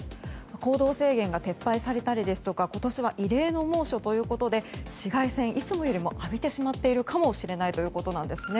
行動制限が撤廃されたり今年は異例の猛暑ということで紫外線、いつもより浴びてしまっているかもしれないということです。